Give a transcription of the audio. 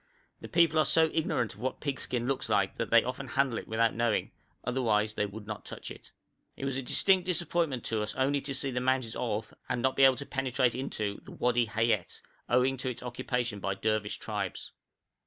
The people are so ignorant of what pig skin looks like that they often handle it without knowing, otherwise they would not touch it. It was a distinct disappointment to us only to see the mountains of, and not to be able to penetrate into, the Wadi Hayèt, owing to its occupation by Dervish tribes.